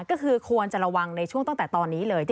ก็คือควรจะระวังในช่วงตั้งแต่ตอนนี้เลย